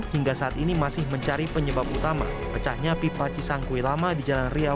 hingga saat ini masih mencari penyebab utama pecahnya pipa cisangkui lama di jalan riau